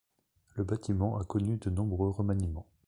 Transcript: Le bâtiment a connu de nombreux remaniements.